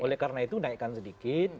oleh karena itu naikkan sedikit